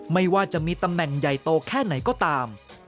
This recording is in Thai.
ไม่ว่าจะมีตำแหน่งใหญ่โตแค่ไหนก็ตาม